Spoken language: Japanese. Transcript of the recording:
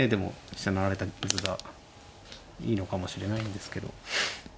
飛車成られた図がいいのかもしれないんですけど。